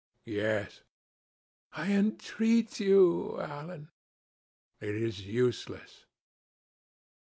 "Yes." "I entreat you, Alan." "It is useless."